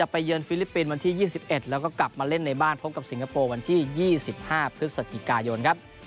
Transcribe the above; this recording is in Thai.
เยือนฟิลิปปินส์วันที่๒๑แล้วก็กลับมาเล่นในบ้านพบกับสิงคโปร์วันที่๒๕พฤศจิกายนครับ